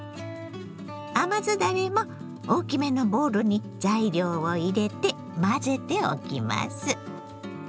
甘酢だれも大きめのボウルに材料を入れて混ぜておきます。